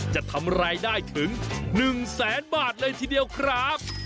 จะทำรายได้ถึง๑แสนบาทเลยทีเดียวครับ